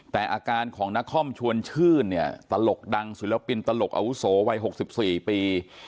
แต่อาการของนครชวนชื่นเนี่ยตลกดังศิลปินตลกอาวุโสวัย๖๔ปี